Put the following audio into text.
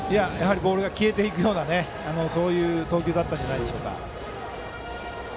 ボールが消えていくような投球だったんじゃないでしょうか。